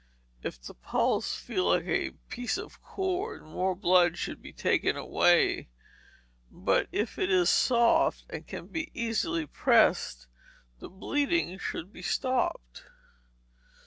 If the pulse feel like a piece of cord, more blood should be taken away, but if it is soft, and can be easily pressed, the bleeding should be stopped.